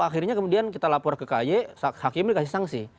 akhirnya kemudian kita lapor ke kay hakim dikasih sanksi